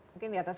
mungkin di atas